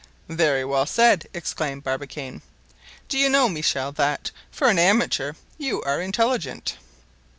"Very well said!" exclaimed Barbicane. "Do you know, Michel, that, for an amateur, you are intelligent."